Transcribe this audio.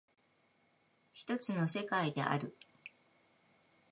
一つの世界である。